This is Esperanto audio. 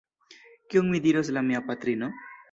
Kion mi diros la mia patrino?